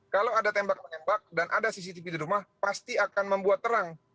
kalau ada tembak menembak dan ada cctv di rumah pasti akan membuat terang